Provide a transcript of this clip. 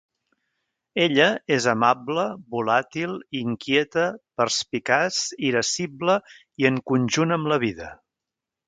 Ella és amable, volàtil, inquieta, perspicaç, irascible i en conjunt amb la vida.